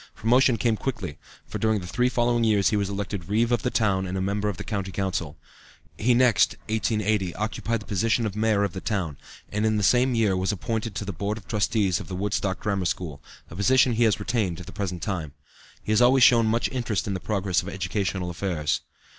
Promotion came quickly, for during the three following years he was elected Reeve of the town and a member of the County Council. He next (1880) occupied the position of Mayor of the town, and in the same year was appointed to the Board of Trustees of the Woodstock Grammar School, a position he has retained to the present time. He has always shown much interest in the progress of educational affairs.